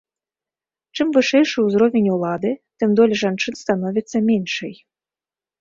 Чым вышэйшы ўзровень улады, тым доля жанчын становіцца меншай.